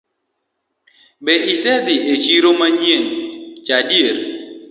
Be isedhii e chiro manyien cha adier?